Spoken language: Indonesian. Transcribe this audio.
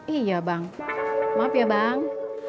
iya bang maaf ya bang